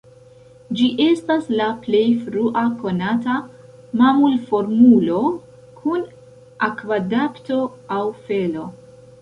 Ĝi estas la plej frua konata mamulformulo kun akvadapto aŭ felo.